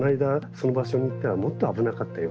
その場所に行ったらもっと危なかったよ。